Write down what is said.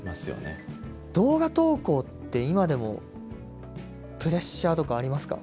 動画投稿って今でもプレッシャーとかありますか？